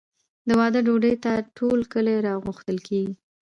د واده ډوډۍ ته ټول کلی راغوښتل کیږي.